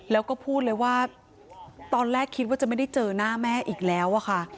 แล้วก็พูดเลยว่าตอนแรกคิดว่าจะไม่ได้เจอหน้าแม่อีกแล้วอะค่ะ